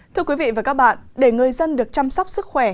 thưa quý vị và các bạn để người dân được chăm sóc sức khỏe